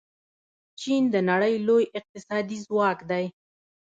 چین د نړۍ لوی اقتصادي ځواک دی.